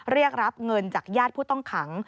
เรียกรับเงินจากญาติผู้ต้องขัง